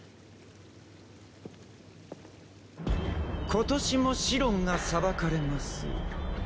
今年もシロンが裁かれます。